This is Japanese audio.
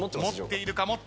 持っているか？